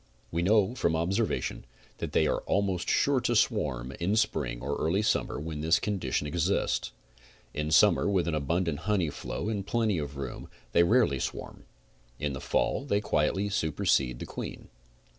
We know, from observation, that they are almost sure to swarm in spring or early summer when this condition, exists. In summer, with an abundant honey flow and plenty of room, they rarely swarm. In the fall they quietly supercede the queen.